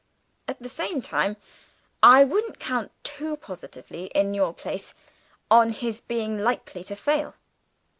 At the same time I wouldn't count too positively, in your place, on his being likely to fail.